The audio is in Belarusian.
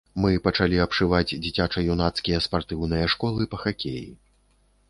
Мы пачалі абшываць дзіцяча-юнацкія спартыўныя школы па хакеі.